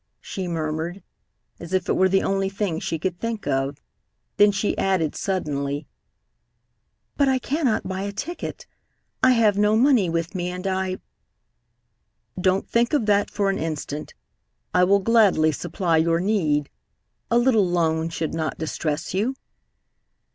she murmured, as if it were the only thing she could think of. Then she added suddenly: "But I cannot buy a ticket. I have no money with me, and I " "Don't think of that for an instant. I will gladly supply your need. A little loan should not distress you."